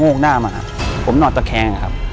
อยู่ที่แม่ศรีวิรัยิลครับ